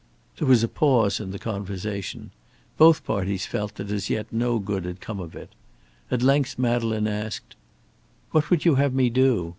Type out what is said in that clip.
There was a pause in the conversation. Both parties felt that as yet no good had come of it. At length Madeleine asked, "What would you have me do?